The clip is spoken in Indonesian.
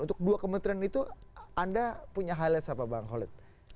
untuk dua kementerian itu anda punya highlight apa bang holid